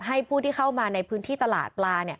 ผู้ที่เข้ามาในพื้นที่ตลาดปลา